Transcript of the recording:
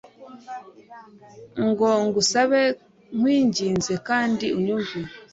ngo ngusabe nkwinginze kandi unyumve